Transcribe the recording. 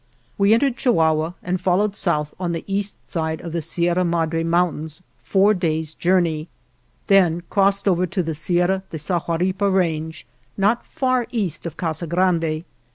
We entered Chihuahua and followed south on the east side of the Sierra Madre Mountains four days' journey ; then crossed over to the Sierra de Sahuaripa range, not far east of Casa Grande.